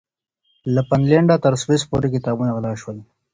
له فنلنډه تر سويس پورې کتابونه غلا شول.